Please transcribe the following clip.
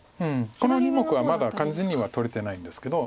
この２目はまだ完全には取れてないんですけど。